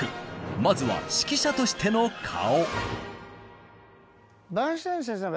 まずは指揮者としての顔。